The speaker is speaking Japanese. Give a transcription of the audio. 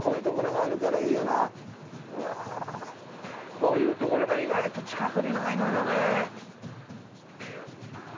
こういう所が意外と近くにないのよね！